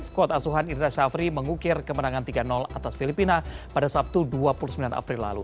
skuad asuhan indra syafri mengukir kemenangan tiga atas filipina pada sabtu dua puluh sembilan april lalu